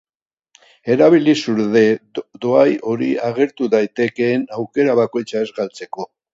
Erabili zure dohai hori agertu daitekeen aukera bakoitza ez galtzeko.